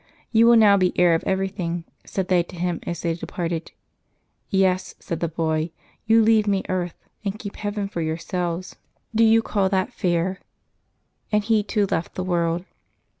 " You will now be heir of everything,^' said they to him, as they departed. " Yes," said the boy ;" you leare me earth, and keep heaven for yourselves; do you 288 LIVES OF TEE SAINTS [August 20 call that fair?" And he too left the world.